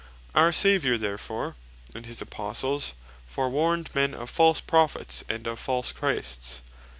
Our Saviour therefore, and his Apostles forewarned men of False Prophets, and of False Christs.